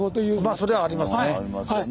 それはありますね。